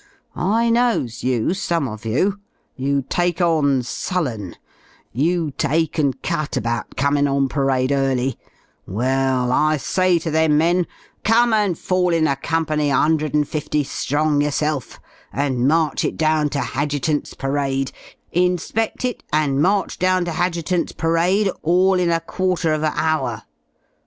I knows you, some of you; you take on sullen; you take and cut about coming on parade early; well, I say to them men ^^Come and fall in a cornpany 150 Strong yourself , and march it down to ha djut ant' s parade — insped it, and march down to hadjutant's parade all in a quarter of a hour."